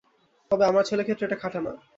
তবে, আমার ছেলের ক্ষেত্রে এটা খাটে না!